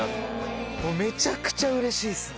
もうめちゃくちゃうれしいですね。